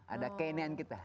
ada kenan kita